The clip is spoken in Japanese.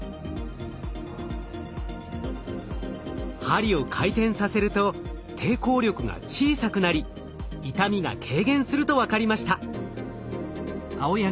針を回転させると抵抗力が小さくなり痛みが軽減すると分かりました。